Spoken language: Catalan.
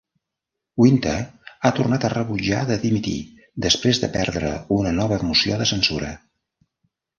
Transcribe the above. Winter ha tornat a rebutjar de dimitir després de perdre una nova moció de censura.